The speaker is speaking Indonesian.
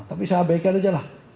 tapi saya abaikan aja lah